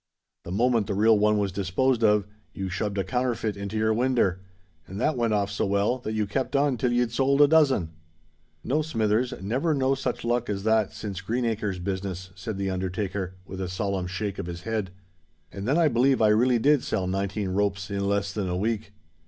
The moment the real one was disposed of, you shoved a counterfeit into your winder; and that went off so well, that you kept on till you'd sold a dozen." "No, Smithers—never no such luck as that since Greenacre's business," said the undertaker, with a solemn shake of his head; "and then I believe I really did sell nineteen ropes in less than a week."